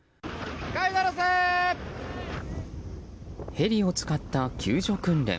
ヘリを使った救助訓練。